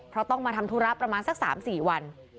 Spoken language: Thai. เพราะต้องมาทำธุระประมาณสัก๓๔วัน